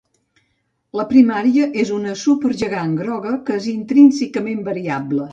La primària és una supergegant groga que és intrínsecament variable.